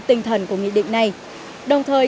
tinh thần của nghị định này đồng thời